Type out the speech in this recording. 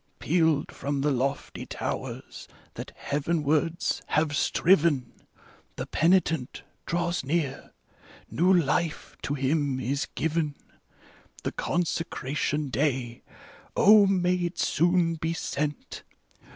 Pealed from the lofty towers that heavenwards have striven : The penitent draws near, new life to him is given. The consecration day — 0, may it soon be sent